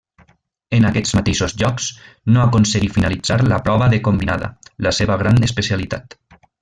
En aquests mateixos Jocs no aconseguí finalitzar la prova de combinada, la seva gran especialitat.